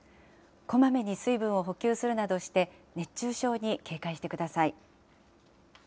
こまめに水分を補給するなどして、熱中症に警戒してください。